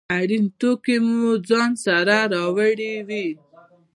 اړین توکي مو ځان سره راوړي وي.